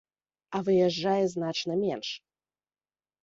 А выязджае значна менш.